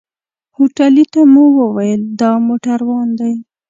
هوټلي ته مو وويل دا موټروان دی.